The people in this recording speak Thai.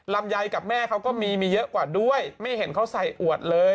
ลำไยกับแม่เขาก็มีมีเยอะกว่าด้วยไม่เห็นเขาใส่อวดเลย